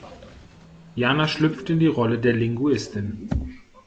Jana schlüpft in die Rolle der Linguistin.